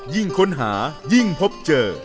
ค้นหายิ่งพบเจอ